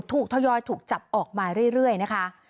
ทยอยถูกจับออกมาเรื่อยนะคะ